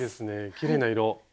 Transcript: きれいな色。